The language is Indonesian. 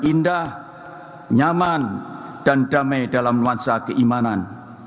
indah nyaman dan damai dalam nuansa keimanan